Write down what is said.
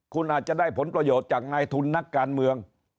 คุณอาจจะได้ผลประโยชน์จากนายทุนนักการเมือง